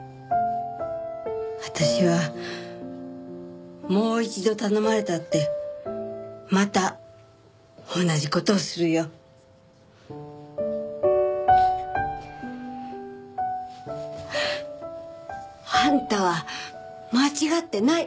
私はもう一度頼まれたってまた同じ事をするよ。あんたは間違ってない！